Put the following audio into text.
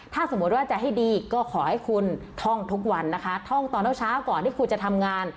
ถ้าสมมติว่าจะให้ดีก็ขอให้คุณท่องทุกวันนะคะท่องตอนเช้าก่อนที่คุณจะทำงาน